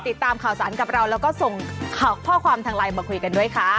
ติดตามข่าวสารกับเราแล้วก็ส่งข้อความทางไลน์มาคุยกันด้วยค่ะ